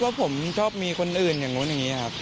ว่าผมชอบมีคนอื่นอย่างนู้นอย่างนี้ครับ